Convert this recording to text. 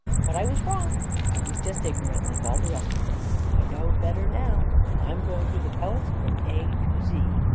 But I was wrong — I was just ignorant, like all the rest of them ! I know better now — I'm going through the poets from A to Z.